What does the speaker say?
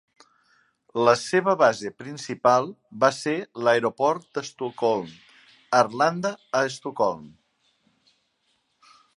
La seva base principal va ser l'aeroport d'Estocolm-Arlanda, a Estocolm.